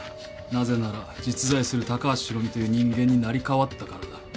なぜなら実在する高橋博美という人間に成り代わったからだ。